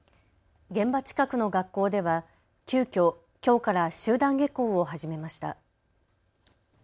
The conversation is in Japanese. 現場近くの学校では急きょきょうから集団下校を始めました。